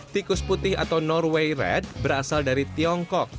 tikus putih atau norway red berasal dari tiongkok